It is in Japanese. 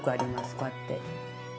こうやって。